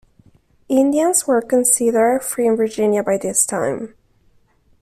Indians were considered free in Virginia by this time.